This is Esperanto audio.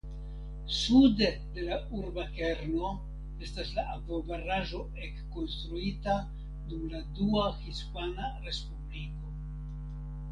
Sude de la urba kerno estas la akvobaraĵo ekkonstruita dum la Dua Hispana Respubliko.